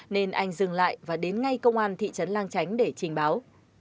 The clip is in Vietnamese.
nên anh dừng lại và đến ngay công an thị trấn lang chánh để trình báo